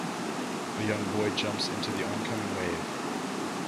A young boy jumps into the oncoming wave.